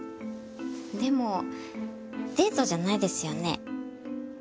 でもデートじゃないですよね？